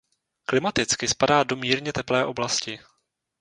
Klimaticky spadá do mírně teplé oblasti.